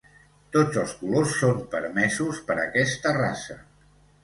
Tots els colors són permesos per aquesta raça.